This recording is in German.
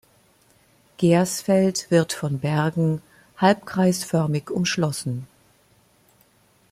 Gersfeld wird von Bergen halbkreisförmig umschlossen.